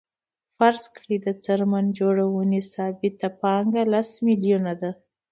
فرض کړئ د څرمن جوړونې ثابته پانګه لس میلیونه ده